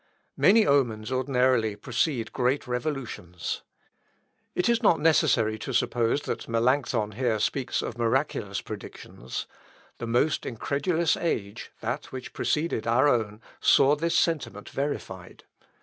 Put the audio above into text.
Many omens ordinarily precede great revolutions. It is not necessary to suppose that Melancthon here speaks of miraculous predictions. The most incredulous age that which preceded our own saw this sentiment verified.